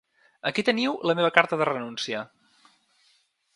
Aquí teniu la meva carta de renúncia.